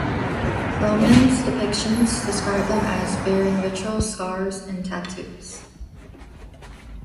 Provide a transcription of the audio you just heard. Roman depictions describe them as bearing ritual scars and tattoos.